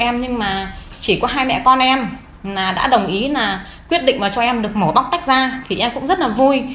em không ai ủng hộ cho em nhưng mà chỉ có hai mẹ con em đã đồng ý là quyết định cho em được mổ bóc tách ra thì em cũng rất là vui